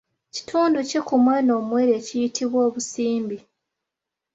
Kitundu ki ku mwana omuwere ekiyitibwa obusimbi?